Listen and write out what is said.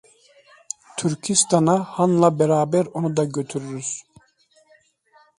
Türkistan'a Han'la beraber onu da götürürüz.